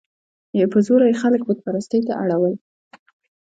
په زوره یې خلک بت پرستۍ ته اړول.